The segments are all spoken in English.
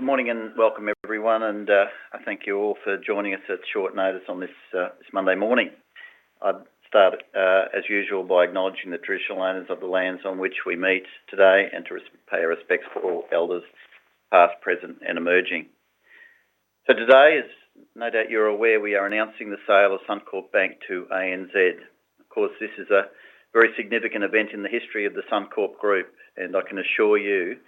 Good morning and welcome everyone, and I thank you all for joining us at short notice on this Monday morning. I'll start as usual by acknowledging the traditional owners of the lands on which we meet today and to pay our respects to all elders, past, present, and emerging. Today, as no doubt you're aware, we are announcing the sale of Suncorp Bank to ANZ. Of course, this is a very significant event in the history of the Suncorp Group, and I can assure you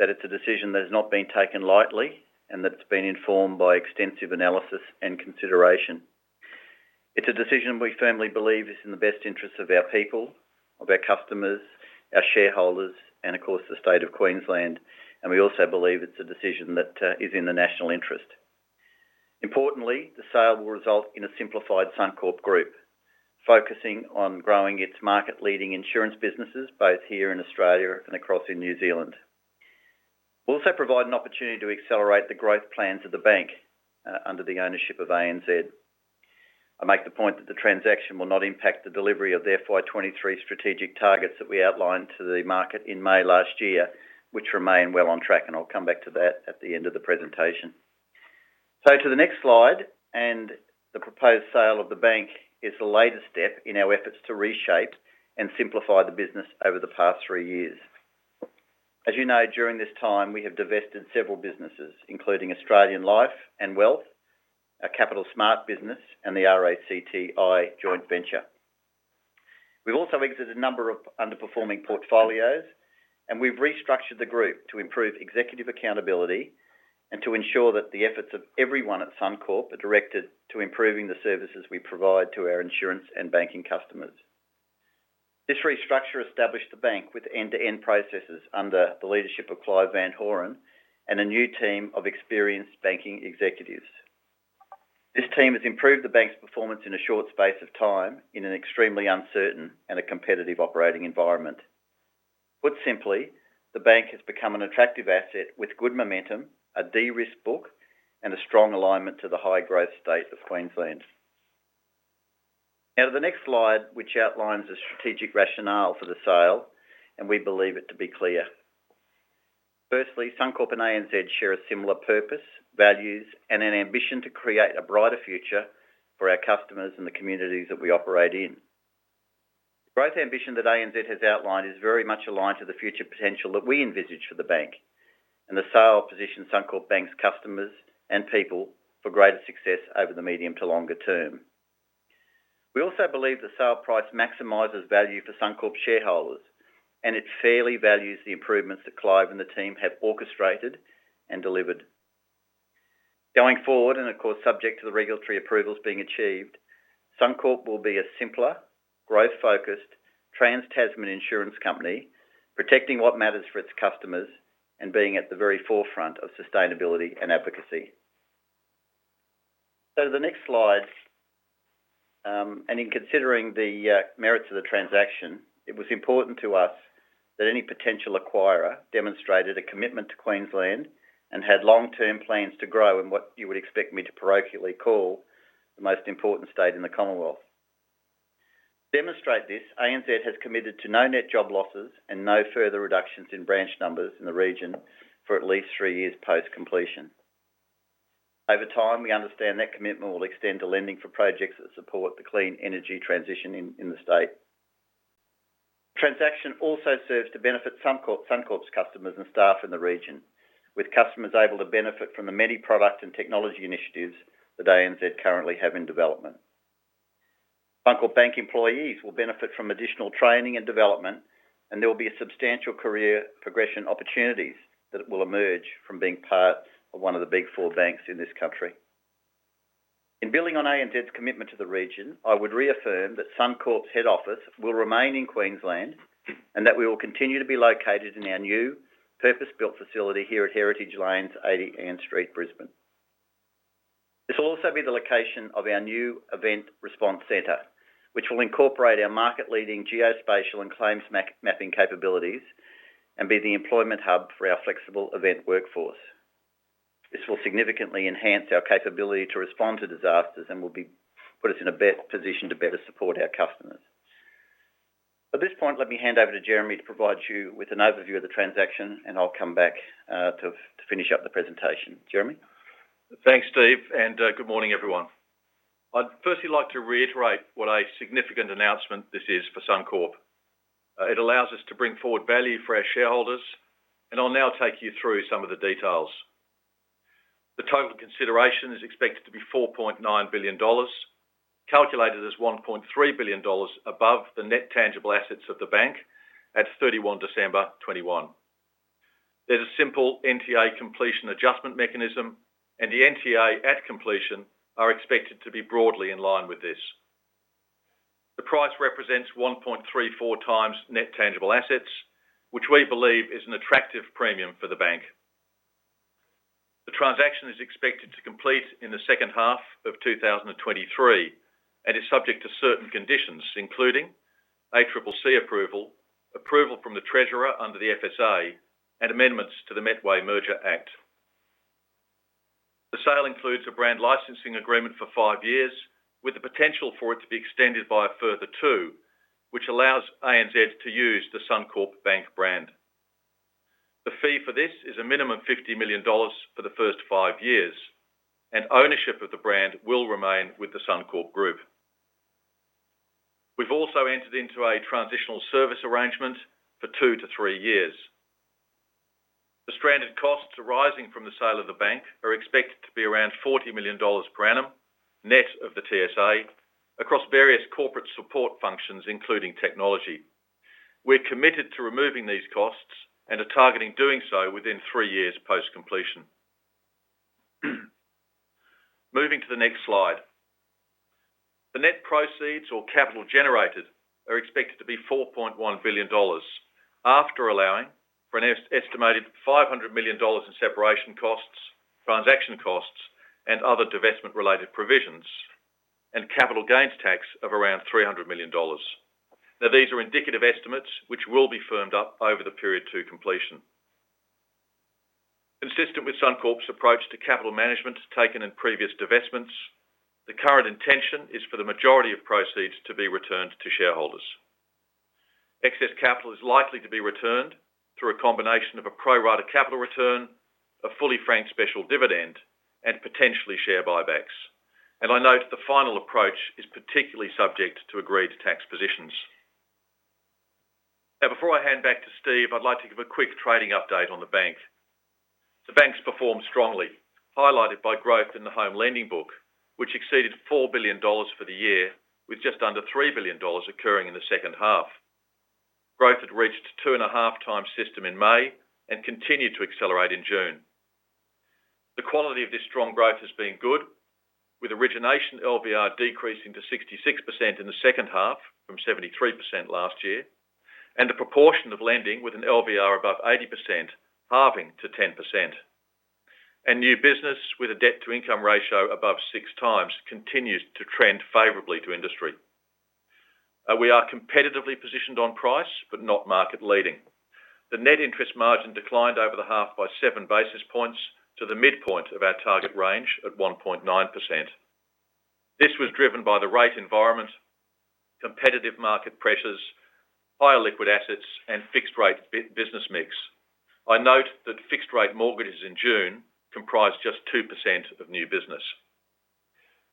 that it's a decision that has not been taken lightly and that it's been informed by extensive analysis and consideration. It's a decision we firmly believe is in the best interest of our people, of our customers, our shareholders, and of course the state of Queensland, and we also believe it's a decision that is in the national interest. Importantly, the sale will result in a simplified Suncorp Group focusing on growing its market-leading insurance businesses both here in Australia and across in New Zealand, will also provide an opportunity to accelerate the growth plans of the bank under the ownership of ANZ. I make the point that the transaction will not impact the delivery of the FY23 strategic targets that we outlined to the market in May last year, which remain well on track, and I'll come back to that at the end of the presentation. To the next slide, and the proposed sale of the bank is the latest step in our efforts to reshape and simplify the business over the past three years. As you know, during this time, we have divested several businesses, including Australian Life and Wealth, our Capital S.M.A.R.T business, and the RACTI joint venture. We've also exited a number of underperforming portfolios, and we've restructured the group to improve executive accountability and to ensure that the efforts of everyone at Suncorp are directed to improving the services we provide to our insurance and banking customers. This restructure established the bank with end-to-end processes under the leadership of Clive van Horen and a new team of experienced banking executives. This team has improved the bank's performance in a short space of time in an extremely uncertain and a competitive operating environment. Put simply, the bank has become an attractive asset with good momentum, a de-risked book, and a strong alignment to the high-growth state of Queensland. Now to the next slide, which outlines the strategic rationale for the sale, and we believe it to be clear. Firstly, Suncorp and ANZ share a similar purpose, values, and an ambition to create a brighter future for our customers and the communities that we operate in. Growth ambition that ANZ has outlined is very much aligned to the future potential that we envisage for the bank. The sale positions Suncorp Bank's customers and people for greater success over the medium to longer term. We also believe the sale price maximizes value for Suncorp shareholders, and it fairly values the improvements that Clive and the team have orchestrated and delivered. Going forward, and of course, subject to the regulatory approvals being achieved, Suncorp will be a simpler, growth-focused, trans-Tasman insurance company, protecting what matters for its customers and being at the very forefront of sustainability and advocacy. The next slide, and in considering the merits of the transaction, it was important to us that any potential acquirer demonstrated a commitment to Queensland and had long-term plans to grow in what you would expect me to parochially call the most important state in the Commonwealth. Demonstrate this, ANZ has committed to no net job losses and no further reductions in branch numbers in the region for at least three years post-completion. Over time, we understand that commitment will extend to lending for projects that support the clean energy transition in the state. Transaction also serves to benefit Suncorp's customers and staff in the region, with customers able to benefit from the many product and technology initiatives that ANZ currently have in development. Suncorp Bank employees will benefit from additional training and development, and there will be a substantial career progression opportunities that will emerge from being part of one of the Big Four banks in this country. In building on ANZ's commitment to the region, I would reaffirm that Suncorp's head office will remain in Queensland and that we will continue to be located in our new purpose-built facility here at Heritage Lanes, 80 Ann Street, Brisbane. This will also be the location of our new event response center, which will incorporate our market-leading geospatial and claims mapping capabilities and be the employment hub for our flexible event workforce. This will significantly enhance our capability to respond to disasters and will put us in a better position to better support our customers. At this point, let me hand over to Jeremy to provide you with an overview of the transaction, and I'll come back to finish up the presentation. Jeremy? Thanks, Steve, and good morning, everyone. I'd firstly like to reiterate what a significant announcement this is for Suncorp. It allows us to bring forward value for our shareholders, and I'll now take you through some of the details. The total consideration is expected to be 4.9 billion dollars, calculated as 1.3 billion dollars above the net tangible assets of the bank at 31 December 2021. There's a simple NTA completion adjustment mechanism, and the NTA at completion are expected to be broadly in line with this. The price represents 1.34 times net tangible assets, which we believe is an attractive premium for the bank. The transaction is expected to complete in the second half of 2023 and is subject to certain conditions, including ACCC approval from the Treasurer under the FSSA, and amendments to the Metway Merger Act. The sale includes a brand licensing agreement for 5 years, with the potential for it to be extended by a further 2, which allows ANZ to use the Suncorp Bank brand. The fee for this is a minimum 50 million dollars for the first 5 years, and ownership of the brand will remain with the Suncorp Group. We've also entered into a transitional service arrangement for 2-3 years. The stranded costs arising from the sale of the bank are expected to be around 40 million dollars per annum, net of the TSA, across various corporate support functions, including technology. We're committed to removing these costs and are targeting doing so within three years post-completion. Moving to the next slide. The net proceeds or capital generated are expected to be 4.1 billion dollars after allowing for an estimated 500 million dollars in separation costs, transaction costs, and other divestment related provisions, and capital gains tax of around 300 million dollars. Now, these are indicative estimates which will be firmed up over the period to completion. Consistent with Suncorp's approach to capital management taken in previous divestments, the current intention is for the majority of proceeds to be returned to shareholders. Excess capital is likely to be returned through a combination of a pro rata capital return, a fully franked special dividend, and potentially share buybacks. I note the final approach is particularly subject to agreed tax positions. Now, before I hand back to Steve, I'd like to give a quick trading update on the bank. The bank's performed strongly, highlighted by growth in the home lending book, which exceeded 4 billion dollars for the year, with just under 3 billion dollars occurring in the second half. Growth had reached 2.5 times system in May and continued to accelerate in June. The quality of this strong growth has been good, with origination LVR decreasing to 66% in the second half from 73% last year, and the proportion of lending with an LVR above 80% halving to 10%. New business with a debt to income ratio above 6 times continues to trend favorably to industry. We are competitively positioned on price but not market-leading. The net interest margin declined over the half by 7 basis points to the midpoint of our target range at 1.9%. This was driven by the rate environment, competitive market pressures, higher liquid assets, and fixed rate business mix. I note that fixed rate mortgages in June comprised just 2% of new business.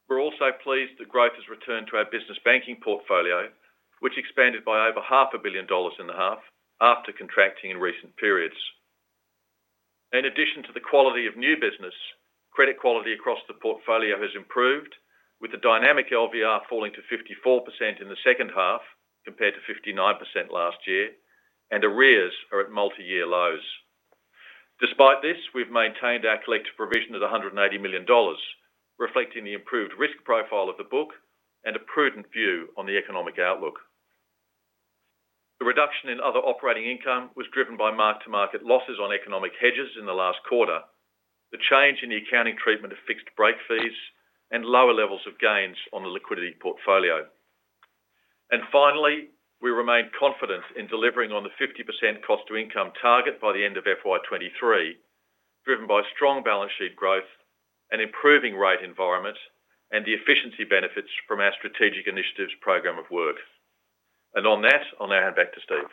We're also pleased that growth has returned to our business banking portfolio, which expanded by over half a billion AUD in the half after contracting in recent periods. In addition to the quality of new business, credit quality across the portfolio has improved, with the dynamic LVR falling to 54% in the second half compared to 59% last year, and arrears are at multi-year lows. Despite this, we've maintained our collective provision at 180 million dollars, reflecting the improved risk profile of the book and a prudent view on the economic outlook. The reduction in other operating income was driven by mark-to-market losses on economic hedges in the last quarter. The change in the accounting treatment of fixed break fees and lower levels of gains on the liquidity portfolio. Finally, we remain confident in delivering on the 50% cost to income target by the end of FY23, driven by strong balance sheet growth and improving rate environment and the efficiency benefits from our strategic initiatives program of work. On that, I'll now hand back to Steve.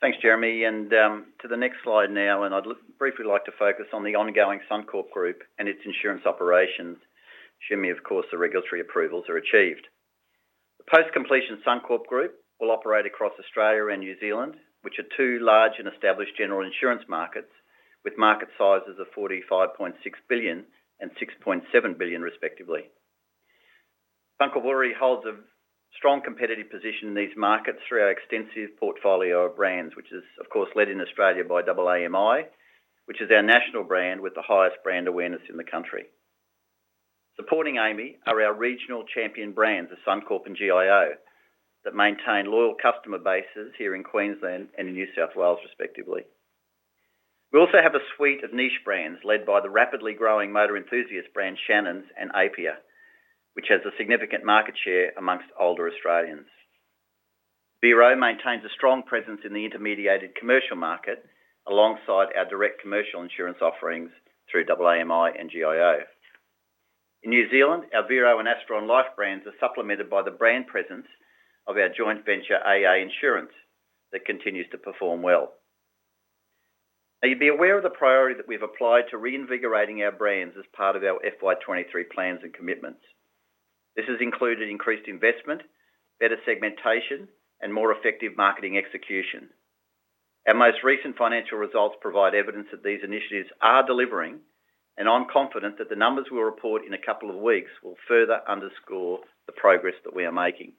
Thanks, Jeremy, to the next slide now, and I'd briefly like to focus on the ongoing Suncorp Group and its insurance operations, assuming, of course, the regulatory approvals are achieved. The post-completion Suncorp Group will operate across Australia and New Zealand, which are two large and established general insurance markets with market sizes of 45.6 billion and 6.7 billion, respectively. Suncorp already holds a strong competitive position in these markets through our extensive portfolio of brands, which is of course led in Australia by AAMI, which is our national brand with the highest brand awareness in the country. Supporting AAMI are our regional champion brands, the Suncorp and GIO, that maintain loyal customer bases here in Queensland and in New South Wales, respectively. We also have a suite of niche brands led by the rapidly growing motor enthusiast brand Shannons and Apia, which has a significant market share among older Australians. Vero maintains a strong presence in the intermediated commercial market alongside our direct commercial insurance offerings through AAMI and GIO. In New Zealand, our Vero and Asteron Life brands are supplemented by the brand presence of our joint venture, AA Insurance, that continues to perform well. Now, you'd be aware of the priority that we've applied to reinvigorating our brands as part of our FY23 plans and commitments. This has included increased investment, better segmentation, and more effective marketing execution. Our most recent financial results provide evidence that these initiatives are delivering, and I'm confident that the numbers we'll report in a couple of weeks will further underscore the progress that we are making.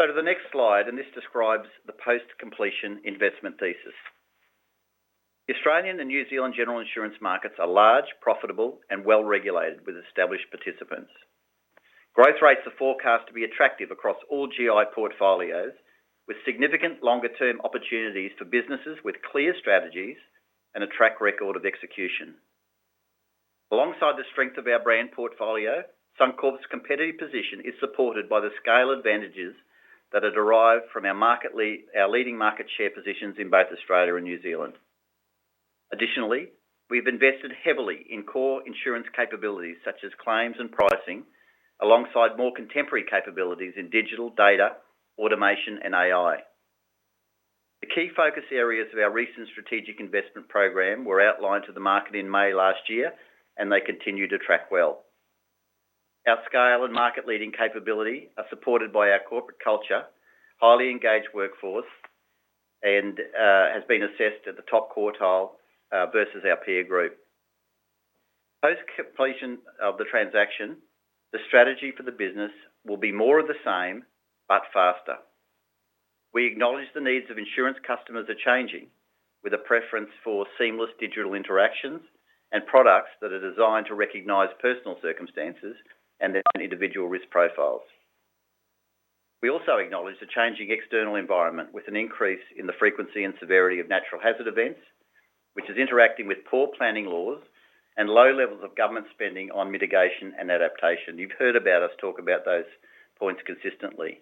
Over to the next slide, and this describes the post-completion investment thesis. The Australian and New Zealand general insurance markets are large, profitable, and well-regulated with established participants. Growth rates are forecast to be attractive across all GI portfolios with significant longer-term opportunities for businesses with clear strategies and a track record of execution. Alongside the strength of our brand portfolio, Suncorp's competitive position is supported by the scale advantages that are derived from our leading market share positions in both Australia and New Zealand. Additionally, we've invested heavily in core insurance capabilities such as claims and pricing, alongside more contemporary capabilities in digital data, automation, and AI. The key focus areas of our recent strategic investment program were outlined to the market in May last year, and they continue to track well. Our scale and market-leading capability are supported by our corporate culture, highly engaged workforce, and has been assessed at the top quartile, versus our peer group. Post-completion of the transaction, the strategy for the business will be more of the same, but faster. We acknowledge the needs of insurance customers are changing, with a preference for seamless digital interactions and products that are designed to recognize personal circumstances and their individual risk profiles. We also acknowledge the changing external environment with an increase in the frequency and severity of natural hazard events, which is interacting with poor planning laws and low levels of government spending on mitigation and adaptation. You've heard about us talk about those points consistently.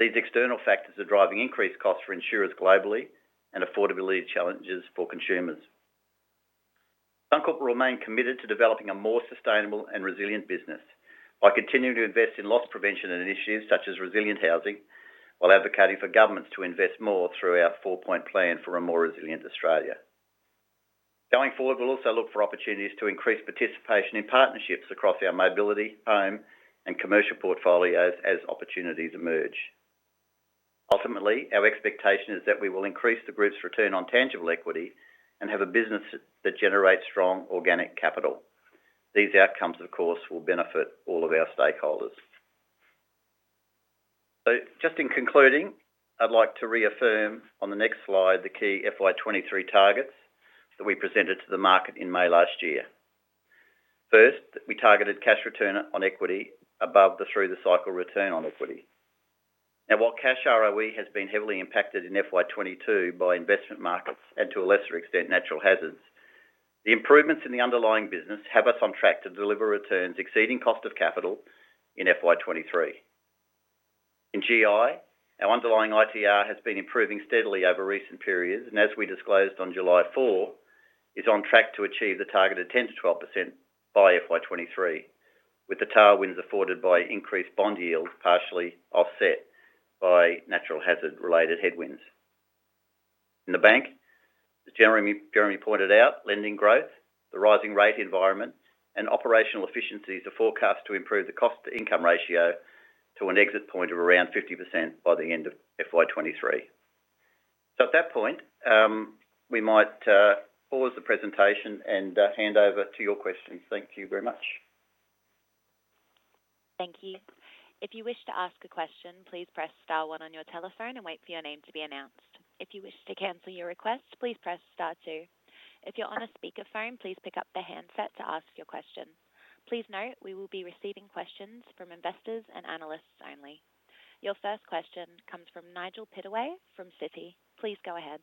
These external factors are driving increased costs for insurers globally and affordability challenges for consumers. Suncorp will remain committed to developing a more sustainable and resilient business by continuing to invest in loss prevention and initiatives such as resilient housing, while advocating for governments to invest more through our four-point plan for a more resilient Australia. Going forward, we'll also look for opportunities to increase participation in partnerships across our mobility, home, and commercial portfolios as opportunities emerge. Ultimately, our expectation is that we will increase the group's return on tangible equity and have a business that generates strong organic capital. These outcomes, of course, will benefit all of our stakeholders. Just in concluding, I'd like to reaffirm on the next slide the key FY23 targets that we presented to the market in May last year. First, we targeted cash return on equity above the through-the-cycle return on equity. Now, while cash ROE has been heavily impacted in FY22 by investment markets and to a lesser extent natural hazards, the improvements in the underlying business have us on track to deliver returns exceeding cost of capital in FY23. In GI, our underlying ITR has been improving steadily over recent periods, and as we disclosed on July 4, is on track to achieve the targeted 10%-12% by FY23, with the tailwinds afforded by increased bond yields partially offset by natural hazard-related headwinds. In the bank, as Jeremy pointed out, lending growth, the rising rate environment, and operational efficiencies are forecast to improve the cost-to-income ratio to an exit point of around 50% by the end of FY23. At that point, we might pause the presentation and hand over to your questions. Thank you very much. Thank you. If you wish to ask a question, please press star one on your telephone and wait for your name to be announced. If you wish to cancel your request, please press star two. If you're on a speakerphone, please pick up the handset to ask your question. Please note we will be receiving questions from investors and analysts only. Your first question comes from Nigel Pittaway from Citi. Please go ahead.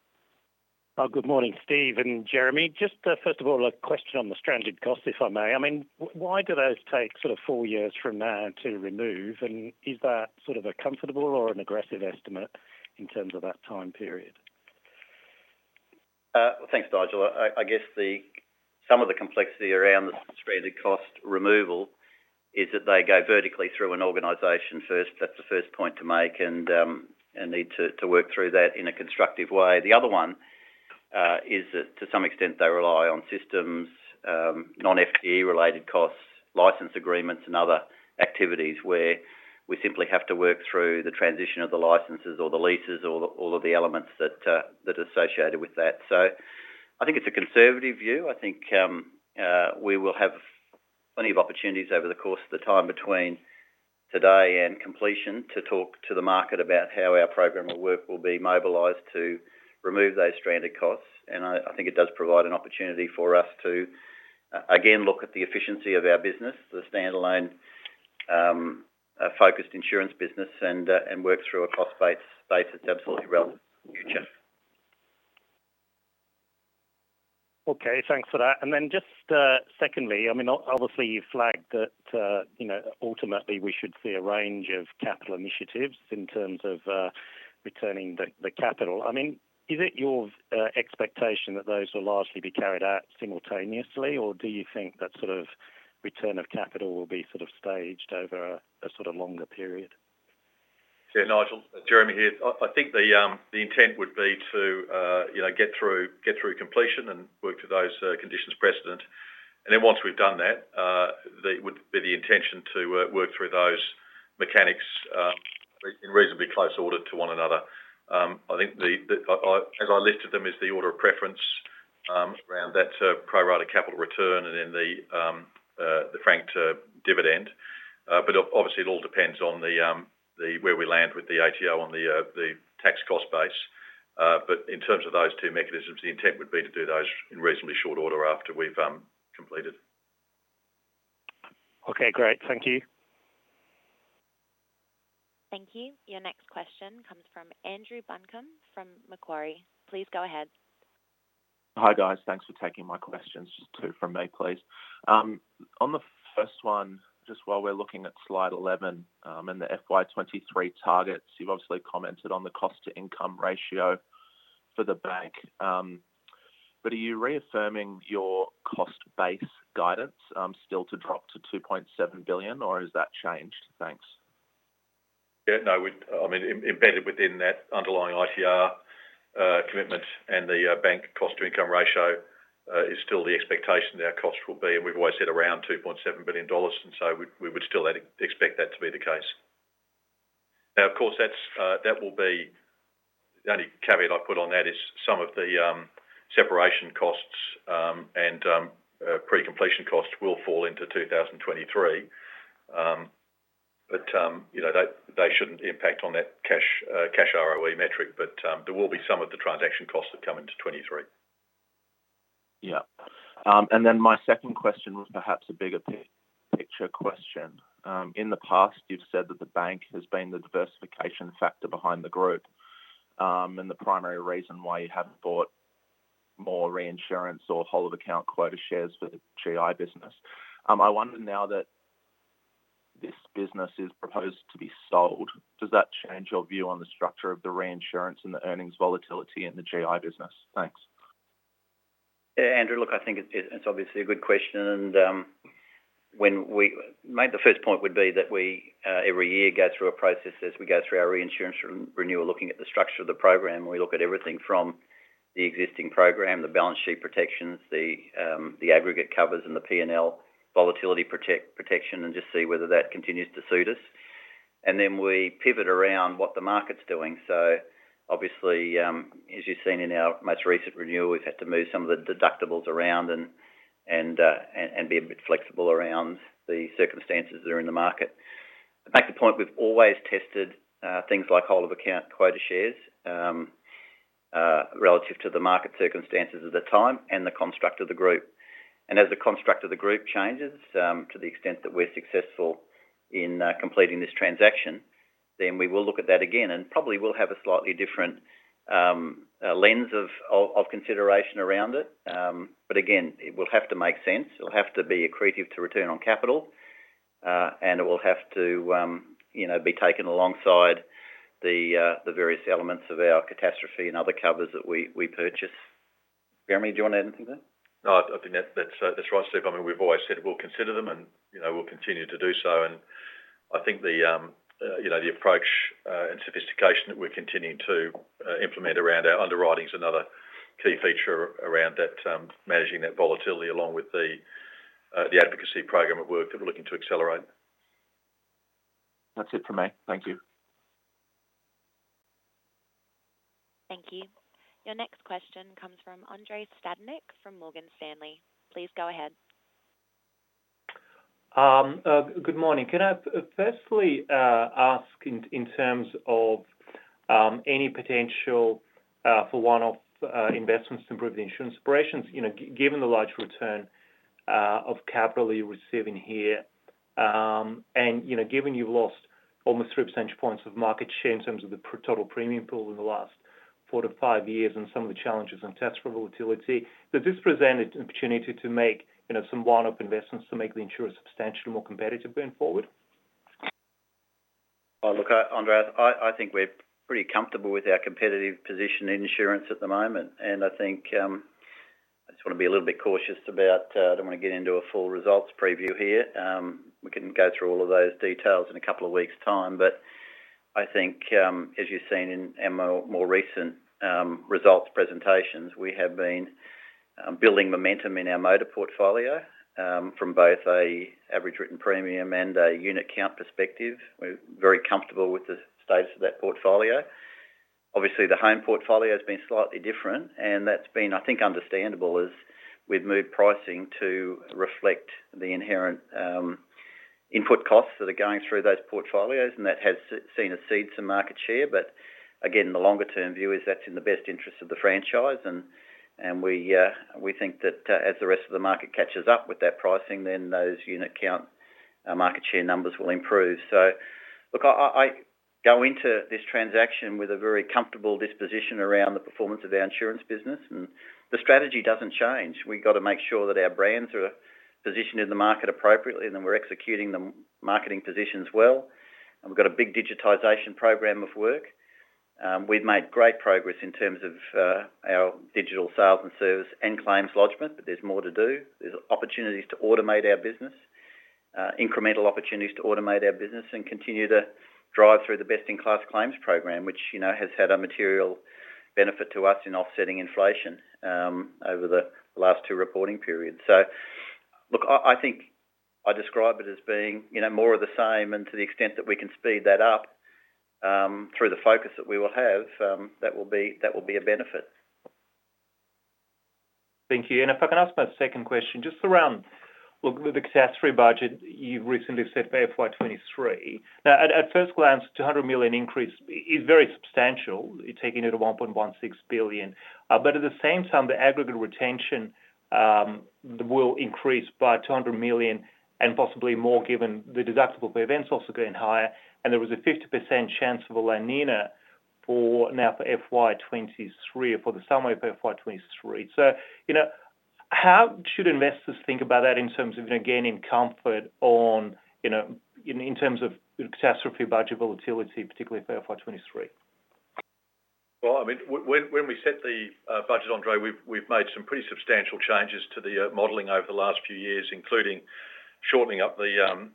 Good morning, Steve and Jeremy. Just first of all, a question on the stranded costs, if I may. I mean, why do those take sort of four years from now to remove, and is that sort of a comfortable or an aggressive estimate in terms of that time period? Thanks, Nigel. I guess some of the complexity around the stranded cost removal is that they go vertically through an organization first. That's the first point to make and need to work through that in a constructive way. The other one is that to some extent they rely on systems, non-FTE related costs, license agreements, and other activities where we simply have to work through the transition of the licenses or the leases or the elements that are associated with that. So I think it's a conservative view. I think we will have plenty of opportunities over the course of the time between today and completion to talk to the market about how our program of work will be mobilized to remove those stranded costs. I think it does provide an opportunity for us to again look at the efficiency of our business, the standalone focused insurance business and work through a cost base that's absolutely relevant for the future. Okay, thanks for that. Just, secondly, I mean, obviously, you flagged that, you know, ultimately we should see a range of capital initiatives in terms of returning the capital. I mean, is it your expectation that those will largely be carried out simultaneously or do you think that sort of return of capital will be sort of staged over a sort of longer period? Yeah, Nigel, Jeremy here. I think the intent would be to, you know, get through completion and work to those conditions precedent. Then once we've done that, it would be the intention to work through those mechanics in reasonably close order to one another. I think as I listed them is the order of preference around that pro rata capital return and then the franked dividend. But obviously, it all depends on where we land with the ATO on the tax cost base. But in terms of those two mechanisms, the intent would be to do those in reasonably short order after we've completed. Okay, great. Thank you. Thank you. Your next question comes from Andrew Buncombe from Macquarie. Please go ahead. Hi guys. Thanks for taking my questions. Just two from me, please. On the first one, just while we're looking at slide 11, and the FY23 targets, you've obviously commented on the cost to income ratio for the bank. But are you reaffirming your cost base guidance, still to drop to 2.7 billion or has that changed? Thanks. Yeah. No. I mean, embedded within that underlying ITR commitment and the bank cost to income ratio is still the expectation that our cost will be, and we've always said around 2.7 billion dollars, and so we would still expect that to be the case. Now, of course, that will be. The only caveat I'd put on that is some of the separation costs and pre-completion costs will fall into 2023. But you know, they shouldn't impact on that cash ROE metric. There will be some of the transaction costs that come into 2023. Yeah. My second question was perhaps a bigger picture question. In the past, you've said that the bank has been the diversification factor behind the group, and the primary reason why you haven't bought more reinsurance or whole of account quota shares for the GI business. I wonder now that this business is proposed to be sold, does that change your view on the structure of the reinsurance and the earnings volatility in the GI business? Thanks. Yeah, Andrew, look, I think it's obviously a good question. Maybe the first point would be that we every year go through a process as we go through our reinsurance renewal, looking at the structure of the program. We look at everything from the existing program, the balance sheet protections, the aggregate covers and the P&L volatility protection, and just see whether that continues to suit us. Then we pivot around what the market's doing. Obviously, as you've seen in our most recent renewal, we've had to move some of the deductibles around and be a bit flexible around the circumstances that are in the market. I make the point we've always tested things like whole of account quota shares relative to the market circumstances at the time and the construct of the group. As the construct of the group changes to the extent that we're successful in completing this transaction, then we will look at that again and probably will have a slightly different lens of consideration around it. But again, it will have to make sense. It'll have to be accretive to return on capital. And it will have to you know be taken alongside the various elements of our catastrophe and other covers that we purchase. Jeremy, do you want to add anything there? No, I think that's right, Steve. I mean, we've always said we'll consider them and, you know, we'll continue to do so. I think the approach and sophistication that we're continuing to implement around our underwriting is another key feature around that managing that volatility along with the advocacy program at work that we're looking to accelerate. That's it from me. Thank you. Thank you. Your next question comes from Andrei Stadnik from Morgan Stanley. Please go ahead. Good morning. Can I firstly ask in terms of any potential for one-off investments to improve the insurance operations, you know, given the large return of capital you're receiving here, and, you know, given you've lost almost 3 percentage points of market share in terms of the total premium pool in the last 4-5 years and some of the challenges on claims volatility, does this present an opportunity to make, you know, some one-off investments to make the insurer substantially more competitive going forward? Well, look, Andrei, I think we're pretty comfortable with our competitive position in insurance at the moment. I think I just want to be a little bit cautious about I don't want to get into a full results preview here. We can go through all of those details in a couple of weeks time. I think as you've seen in our more recent results presentations, we have been building momentum in our motor portfolio from both a average written premium and a unit count perspective. We're very comfortable with the status of that portfolio. Obviously, the home portfolio has been slightly different, and that's been, I think, understandable as we've moved pricing to reflect the inherent input costs that are going through those portfolios, and that has seen us cede some market share. Again, the longer term view is that's in the best interest of the franchise and we think that as the rest of the market catches up with that pricing, then those unit count market share numbers will improve. Look, I go into this transaction with a very comfortable disposition around the performance of our insurance business, and the strategy doesn't change. We've got to make sure that our brands are positioned in the market appropriately, and then we're executing the marketing positions well. We've got a big digitization program of work. We've made great progress in terms of our digital sales and service and claims lodgment, but there's more to do. There's opportunities to automate our business, incremental opportunities to automate our business and continue to drive through the best in class claims program, which, you know, has had a material benefit to us in offsetting inflation, over the last two reporting periods. Look, I think I describe it as being, you know, more of the same and to the extent that we can speed that up, through the focus that we will have, that will be a benefit. Thank you. If I can ask my second question, just around, look, with the catastrophe budget you've recently set for FY23. Now at first glance, 200 million increase is very substantial. You're taking it to 1.16 billion. But at the same time, the aggregate retention will increase by 200 million and possibly more given the deductible events also getting higher. There was a 50% chance of a La Niña for now for FY23 or for the summer for FY23. You know, how should investors think about that in terms of, you know, gaining comfort on, you know, in terms of catastrophe budget volatility, particularly for FY23? Well, I mean, when we set the budget, Andre, we've made some pretty substantial changes to the modeling over the last few years, including shortening up the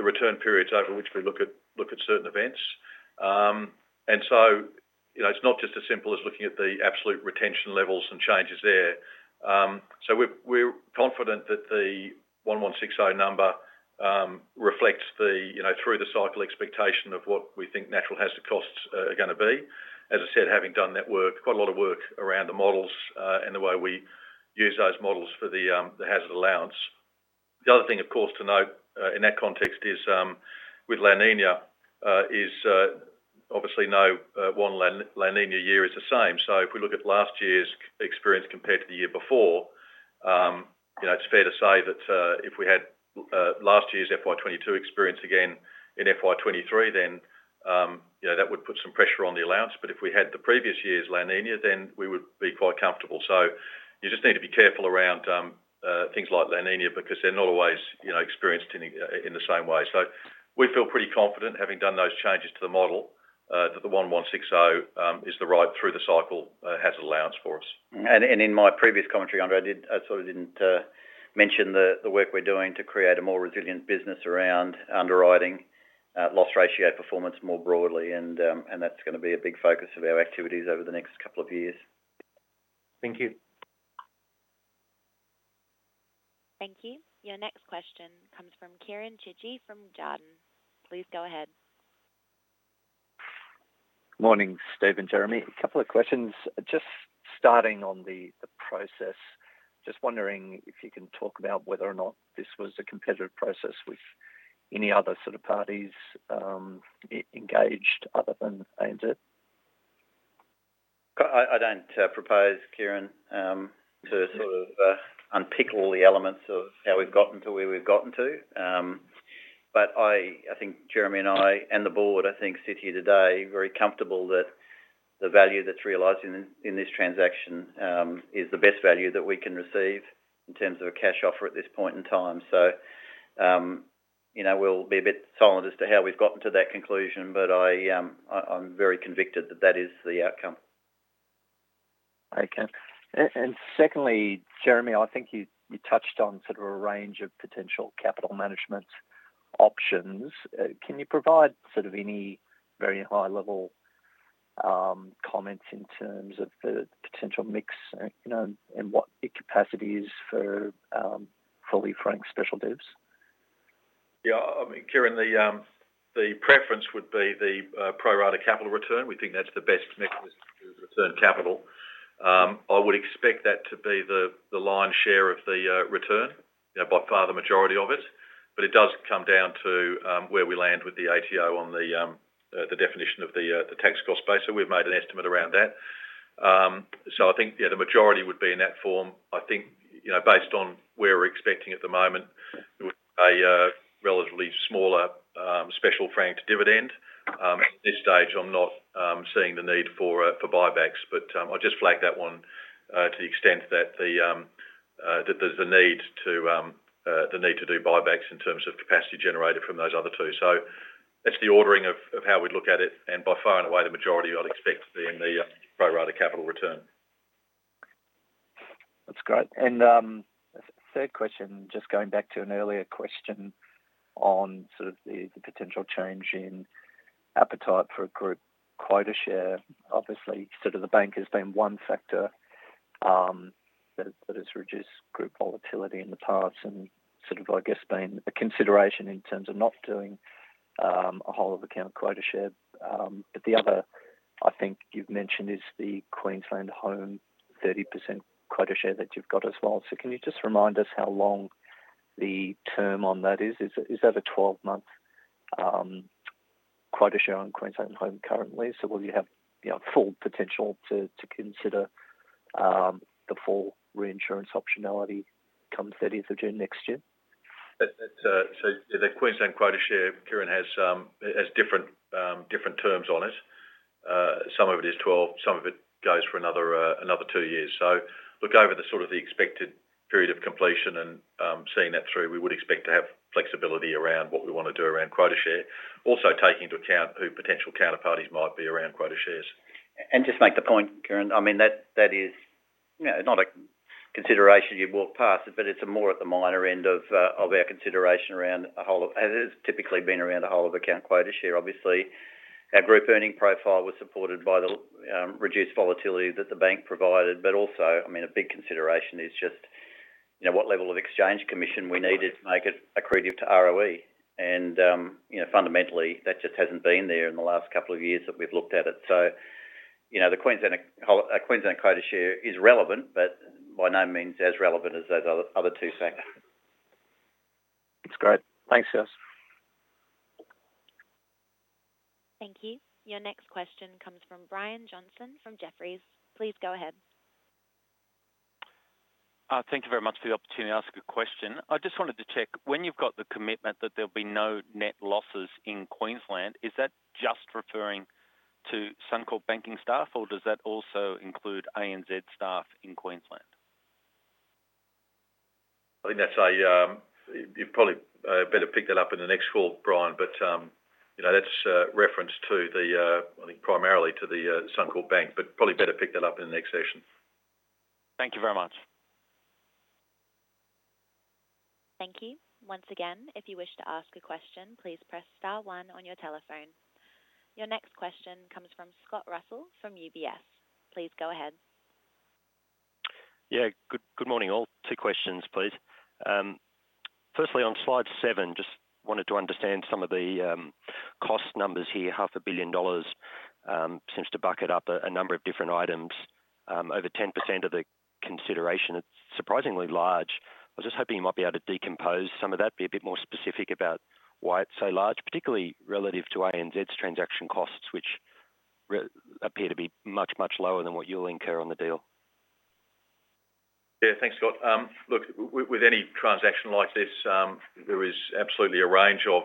return periods over which we look at certain events. You know, it's not just as simple as looking at the absolute retention levels and changes there. We're confident that the 1,160 number reflects the, you know, through the cycle expectation of what we think natural hazard costs are gonna be. As I said, having done that work, quite a lot of work around the models and the way we use those models for the hazard allowance. The other thing, of course, to note, in that context is with La Niña, obviously no one La Niña year is the same. If we look at last year's experience compared to the year before, you know, it's fair to say that, if we had last year's FY22 experience again in FY23, then, you know, that would put some pressure on the allowance. If we had the previous year's La Niña, then we would be quite comfortable. You just need to be careful around things like La Niña because they're not always, you know, experienced in the same way. We feel pretty confident having done those changes to the model, that the 1160 is the right through the cycle, hazard allowance for us. In my previous commentary, Andre, I sort of didn't mention the work we're doing to create a more resilient business around underwriting, loss ratio performance more broadly, and that's gonna be a big focus of our activities over the next couple of years. Thank you. Thank you. Your next question comes from Kieren Chidgey from Jarden. Please go ahead. Morning, Steve and Jeremy. A couple of questions. Just starting on the process, just wondering if you can talk about whether or not this was a competitive process with any other sort of parties engaged other than ANZ? I don't propose, Kieren, to sort of unpick all the elements of how we've gotten to where we've gotten to. I think Jeremy and I and the board sit here today very comfortable that the value that's realized in this transaction is the best value that we can receive in terms of a cash offer at this point in time. You know, we'll be a bit silent as to how we've gotten to that conclusion, but I'm very convinced that that is the outcome. Okay. Secondly, Jeremy, I think you touched on sort of a range of potential capital management options. Can you provide sort of any very high level comments in terms of the potential mix, you know, and what the capacity is for fully franked special divs? Yeah. I mean, Kieran, the preference would be the pro rata capital return. We think that's the best mechanism to return capital. I would expect that to be the lion's share of the return, you know, by far the majority of it. But it does come down to where we land with the ATO on the definition of the tax cost base. So we've made an estimate around that. So I think, yeah, the majority would be in that form. I think, you know, based on we're expecting at the moment, it would be a relatively smaller special franked dividend. At this stage, I'm not seeing the need for buybacks, but I'll just flag that one to the extent that there's a need to do buybacks in terms of capacity generated from those other two. That's the ordering of how we'd look at it, and by far and away, the majority I'd expect to be in the pro rata capital return. That's great. Third question, just going back to an earlier question on sort of the potential change in appetite for a group quota share. Obviously, sort of the bank has been one factor that has reduced group volatility in the past and sort of, I guess, been a consideration in terms of not doing a whole of account quota share. The other, I think you've mentioned is the Queensland Home 30% quota share that you've got as well. Can you just remind us how long the term on that is? Is that a 12-month quota share on Queensland Home currently? Will you have, you know, full potential to consider the full reinsurance optionality come thirtieth of June next year? The Queensland quota share, Kieren, has different terms on it. Some of it is 12, some of it goes for another 2 years. Look over the sort of expected period of completion and seeing that through, we would expect to have flexibility around what we wanna do around quota share. Also taking into account who potential counterparties might be around quota shares. Just make the point, Kieran. I mean, that is, you know, not a consideration you'd walk past, but it's more at the minor end of our consideration around a whole of account quota share. Obviously, our group earning profile was supported by the reduced volatility that the bank provided, but also, I mean, a big consideration is just, you know, what level of exchange commission we needed to make it accretive to ROE. You know, fundamentally, that just hasn't been there in the last couple of years that we've looked at it. You know, the Queensland quota share is relevant, but by no means as relevant as those other two factors. That's great. Thanks. Thank you. Your next question comes from Brian Johnson from Jefferies. Please go ahead. Thank you very much for the opportunity to ask a question. I just wanted to check, when you've got the commitment that there'll be no net losses in Queensland, is that just referring to Suncorp banking staff, or does that also include ANZ staff in Queensland? You'd probably better pick that up in the next call, Brian, but you know, that's reference to the. I think primarily to the Suncorp Bank, but probably better pick that up in the next session. Thank you very much. Thank you. Once again, if you wish to ask a question, please press star one on your telephone. Your next question comes from Scott Russell from UBS. Please go ahead. Yeah. Good morning, all. 2 questions, please. Firstly, on slide 7, just wanted to understand some of the cost numbers here. AUD half a billion dollars seems to bucket up a number of different items. Over 10% of the consideration, it's surprisingly large. I was just hoping you might be able to decompose some of that, be a bit more specific about why it's so large, particularly relative to ANZ's transaction costs, which appear to be much, much lower than what you'll incur on the deal. Yeah. Thanks, Scott. With any transaction like this, there is absolutely a range of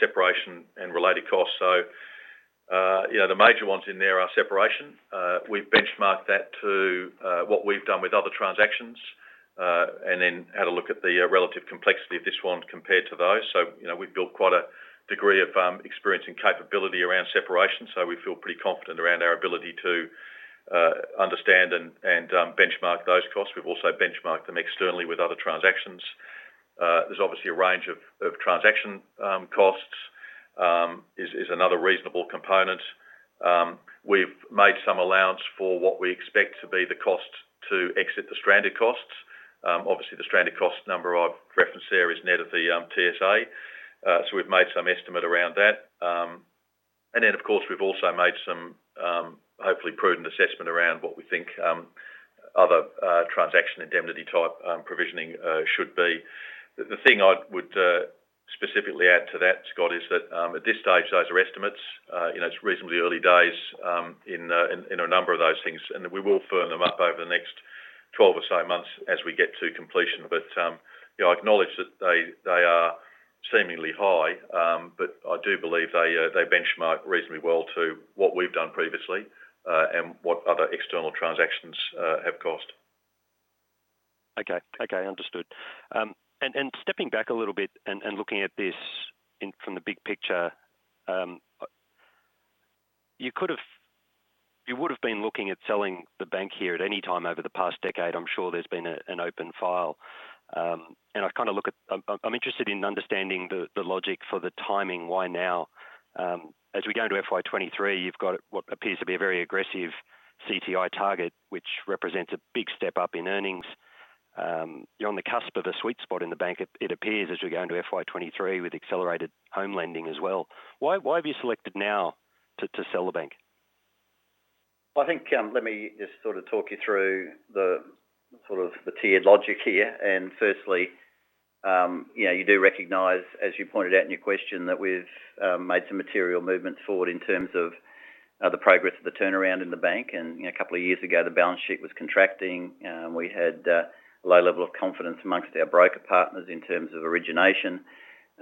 separation and related costs. You know, the major ones in there are separation. We've benchmarked that to what we've done with other transactions and then had a look at the relative complexity of this one compared to those. You know, we've built quite a degree of experience and capability around separation, so we feel pretty confident around our ability to understand and benchmark those costs. We've also benchmarked them externally with other transactions. There's obviously a range of transaction costs is another reasonable component. We've made some allowance for what we expect to be the cost to exit the stranded costs. Obviously the stranded cost number I've referenced there is net of the TSA, so we've made some estimate around that. Of course, we've also made some hopefully prudent assessment around what we think other transaction indemnity type provisioning should be. The thing I would specifically add to that, Scott, is that at this stage, those are estimates. You know, it's reasonably early days in a number of those things, and we will firm them up over the next 12 or so months as we get to completion. You know, I acknowledge that they are seemingly high, but I do believe they benchmark reasonably well to what we've done previously, and what other external transactions have cost. Okay. Okay. Understood. Stepping back a little bit and looking at this from the big picture, you would've been looking at selling the bank here at any time over the past decade. I'm sure there's been an open file. I'm interested in understanding the logic for the timing. Why now? As we go into FY23, you've got what appears to be a very aggressive CTI target, which represents a big step up in earnings. You're on the cusp of a sweet spot in the bank. It appears as we go into FY23 with accelerated home lending as well. Why have you selected now to sell the bank? I think, let me just sort of talk you through the sort of tiered logic here. Firstly, you know, you do recognize, as you pointed out in your question, that we've made some material movements forward in terms of the progress of the turnaround in the bank. You know, a couple of years ago, the balance sheet was contracting. We had low level of confidence amongst our broker partners in terms of origination.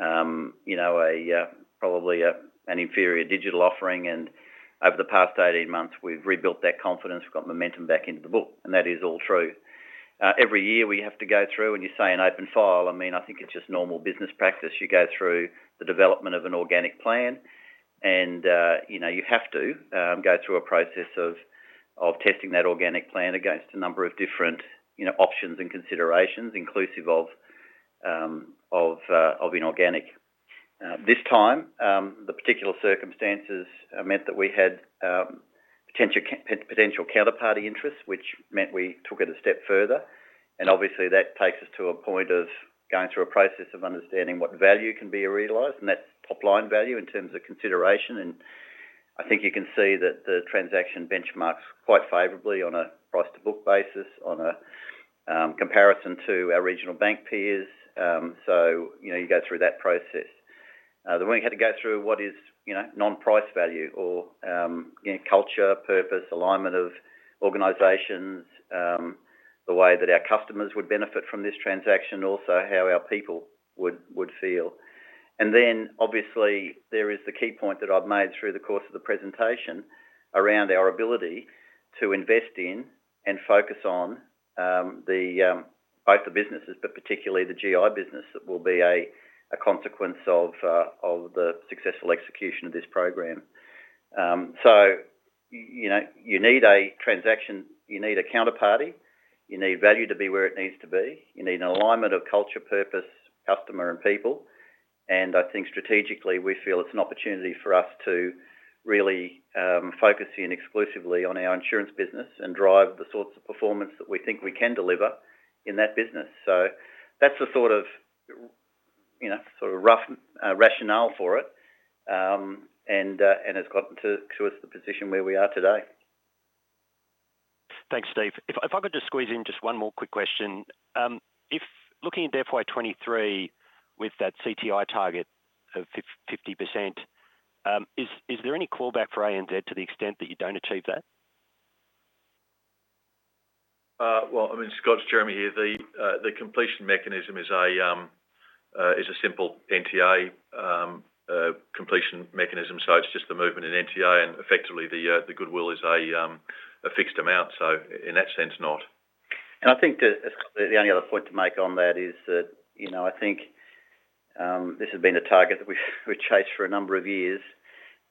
You know, probably an inferior digital offering. Over the past 18 months, we've rebuilt that confidence. We've got momentum back into the book, and that is all true. Every year we have to go through, when you say an open file, I mean, I think it's just normal business practice. You go through the development of an organic plan and, you know, you have to go through a process of testing that organic plan against a number of different, you know, options and considerations inclusive of inorganic. This time, the particular circumstances meant that we had potential counterparty interests, which meant we took it a step further. Obviously that takes us to a point of going through a process of understanding what value can be realized, and that's top line value in terms of consideration. I think you can see that the transaction benchmarks quite favorably on a price to book basis on a comparison to our regional bank peers. So, you know, you go through that process. We had to go through what is, you know, non-price value or, you know, culture, purpose, alignment of organizations, the way that our customers would benefit from this transaction, also how our people would feel. Obviously there is the key point that I've made through the course of the presentation around our ability to invest in and focus on the both the businesses, but particularly the GI business that will be a consequence of the successful execution of this program. You know, you need a transaction, you need a counterparty, you need value to be where it needs to be. You need an alignment of culture, purpose, customer, and people. I think strategically, we feel it's an opportunity for us to really focus in exclusively on our insurance business and drive the sorts of performance that we think we can deliver in that business. That's the sort of, you know, rough rationale for it. It's gotten to us the position where we are today. Thanks, Steve. If I could just squeeze in just one more quick question. If looking at FY23 with that CTI target of 50%, is there any callback for ANZ to the extent that you don't achieve that? Well, I mean, Scott, it's Jeremy here. The completion mechanism is a simple NTA completion mechanism. It's just the movement in NTA, and effectively the goodwill is a fixed amount. In that sense, not. I think, Scott, the only other point to make on that is that, you know, I think this has been a target that we've chased for a number of years,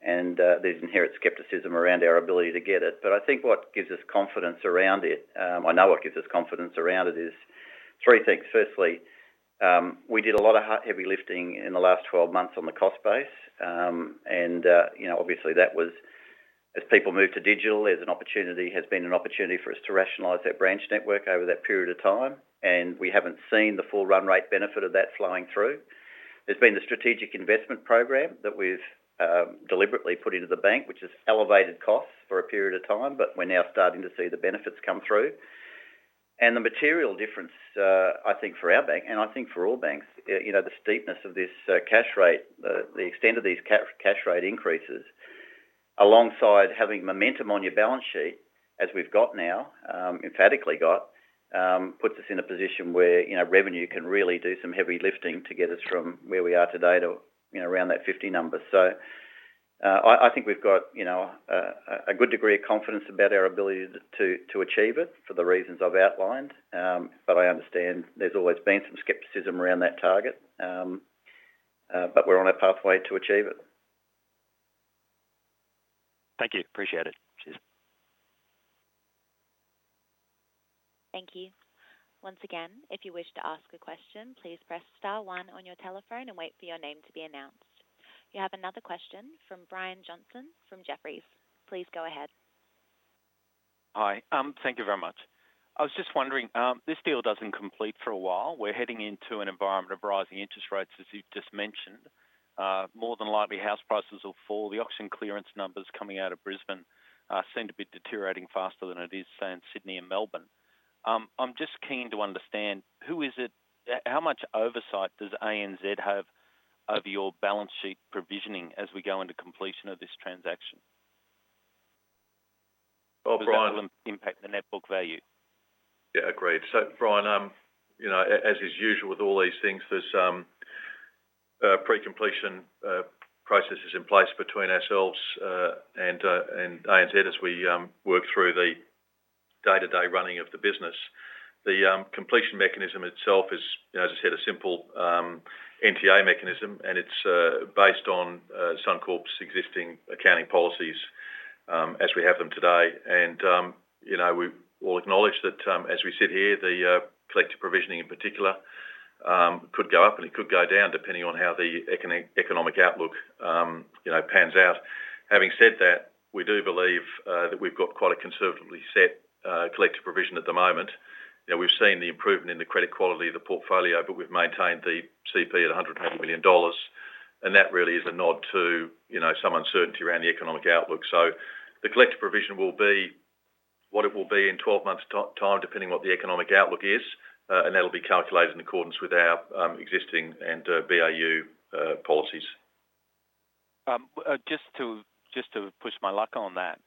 and there's inherent skepticism around our ability to get it. I think what gives us confidence around it, I know what gives us confidence around it is 3 things. Firstly, we did a lot of heavy lifting in the last 12 months on the cost base. You know, as people move to digital, there has been an opportunity for us to rationalize that branch network over that period of time, and we haven't seen the full run rate benefit of that flowing through. There's been the strategic investment program that we've deliberately put into the bank, which has elevated costs for a period of time, but we're now starting to see the benefits come through. The material difference, I think for our bank and I think for all banks, you know, the steepness of this cash rate, the extent of these cash rate increases, alongside having momentum on your balance sheet, as we've emphatically got now, puts us in a position where, you know, revenue can really do some heavy lifting to get us from where we are today to, you know, around that 50 number. I think we've got, you know, a good degree of confidence about our ability to achieve it for the reasons I've outlined. I understand there's always been some skepticism around that target. We're on a pathway to achieve it. Thank you. Appreciate it. Cheers. Thank you. Once again, if you wish to ask a question, please press star one on your telephone and wait for your name to be announced. You have another question from Brian Johnson from Jefferies. Please go ahead. Hi. Thank you very much. I was just wondering, this deal doesn't complete for a while. We're heading into an environment of rising interest rates, as you've just mentioned. More than likely, house prices will fall. The auction clearance numbers coming out of Brisbane seem to be deteriorating faster than it is, say, in Sydney and Melbourne. I'm just keen to understand how much oversight does ANZ have over your balance sheet provisioning as we go into completion of this transaction? Brian. Does that impact the net book value? Yeah, agreed. Brian, you know, as is usual with all these things, there's pre-completion processes in place between ourselves and ANZ as we work through the day-to-day running of the business. The completion mechanism itself is, you know, as I said, a simple NTA mechanism, and it's based on Suncorp's existing accounting policies as we have them today. You know, we all acknowledge that as we sit here, the collective provisioning, in particular, could go up and it could go down, depending on how the economic outlook, you know, pans out. Having said that, we do believe that we've got quite a conservatively set collective provision at the moment. You know, we've seen the improvement in the credit quality of the portfolio, but we've maintained the CP at 120 million dollars, and that really is a nod to, you know, some uncertainty around the economic outlook. The collective provision will be what it will be in 12 months' time, depending what the economic outlook is, and that'll be calculated in accordance with our existing and BAU policies. Just to push my luck on that.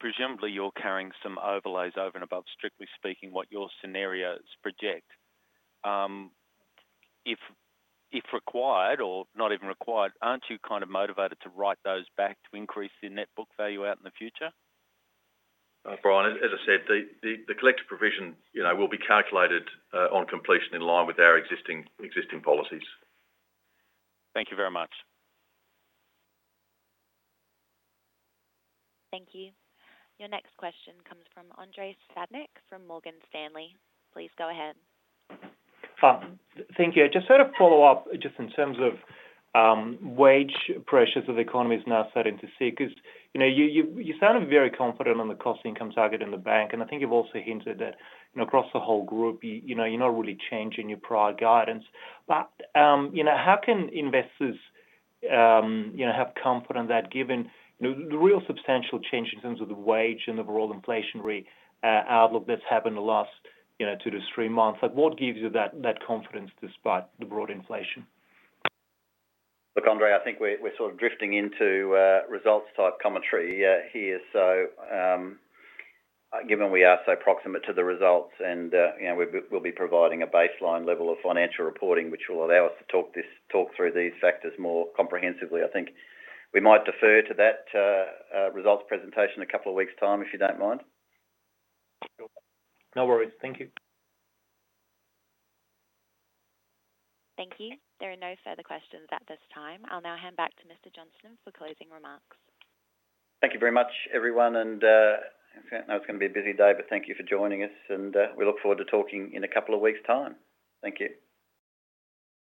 Presumably you're carrying some overlays over and above, strictly speaking, what your scenarios project. If required or not even required, aren't you kind of motivated to write those back to increase your net book value out in the future? Brian, as I said, the collective provision, you know, will be calculated on completion in line with our existing policies. Thank you very much. Thank you. Your next question comes from Andrei Stadnik from Morgan Stanley. Please go ahead. Thank you. Just sort of follow up, just in terms of wage pressures that the economy is now starting to see. Because, you know, you sound very confident on the cost-to-income target in the bank, and I think you've also hinted that, you know, across the whole group, you know, you're not really changing your prior guidance. But you know, how can investors have comfort on that given the real substantial change in terms of the wage and the broad inflationary outlook that's happened in the last 2-3 months? Like, what gives you that confidence despite the broad inflation? Look, Andrei, I think we're sort of drifting into results-type commentary here. Given we are so proximate to the results and you know, we'll be providing a baseline level of financial reporting, which will allow us to talk through these factors more comprehensively. I think we might defer to that, results presentation in a couple of weeks' time, if you don't mind. Sure. No worries. Thank you. Thank you. There are no further questions at this time. I'll now hand back to Mr. Johnston for closing remarks. Thank you very much, everyone. I know it's gonna be a busy day, but thank you for joining us, and we look forward to talking in a couple of weeks' time. Thank you.